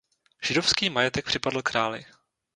Židovský majetek připadl králi.